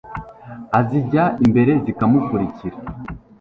azijya imbere zikamukurikira